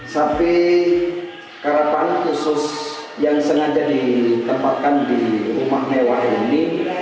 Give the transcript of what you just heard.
sapi karapan khusus yang sengaja ditempatkan di rumah mewah ini